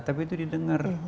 tapi itu didengar